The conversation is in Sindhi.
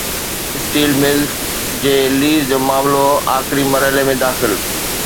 اسٽيل ملز جي ليز جو معاملو آخري مرحلي ۾ داخل